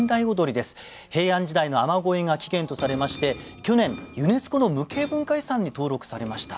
平安時代の雨乞いが起源とされまして去年ユネスコの無形文化遺産に登録されました。